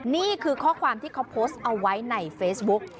นี่คือข้อความที่เขาโพสต์เอาไว้ในเฟซบุ๊ก